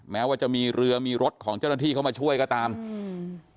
แม้ว่าจะมีเรือมีรถของเจ้าหน้าที่เข้ามาช่วยก็ตามอืม